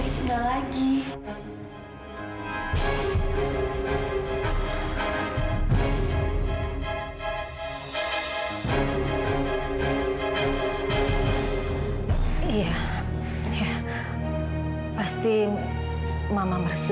sebentar lagi riza akan menjadi milik aku